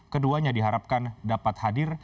keduanya diharapkan dapat hadir